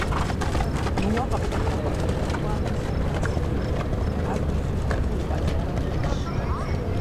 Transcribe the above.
Мы уэ къэбгъэлъагъуэ ӀэкӀуэлъакӀуагъэм зыхуэбгъэсэфынукъым, ар уи лъым хэлъу укъалъхун хуейщ.